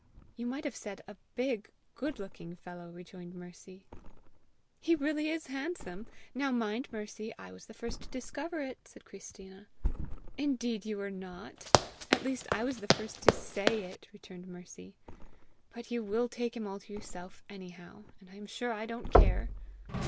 "You might have said a big, good looking fellow!" rejoined Mercy. "He really is handsome! Now mind, Mercy, I was the first to discover it!" said Christina. "Indeed you were not! At least I was the first to SAY it!" returned Mercy. "But you will take him all to yourself anyhow, and I am sure I don't care!"